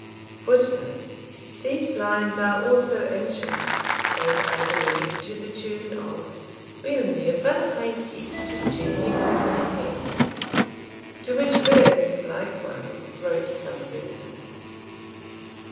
[Footnote: These lines are also ancient, and I believe to the tune of We'll never hae peace till Jamie comes hame, to which Burns likewise wrote some verses.